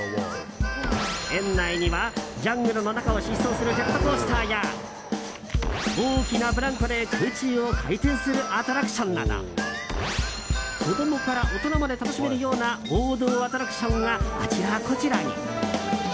園内には、ジャングルの中を疾走するジェットコースターや大きなブランコで空中を回転するアトラクションなど子供から大人まで楽しめるような王道アトラクションがあちらこちらに。